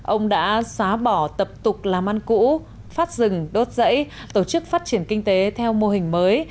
ông đã xóa bỏ tập tục làm ăn cũ phát rừng đốt dãy tổ chức phát triển kinh tế theo mô hình mới